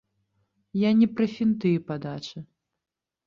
Я не пра фінты і падачы.